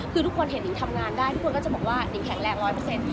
คือทุกคนเห็นนิงทำงานได้ทุกคนก็จะบอกว่านิงแข็งแรงร้อยเปอร์เซ็นต์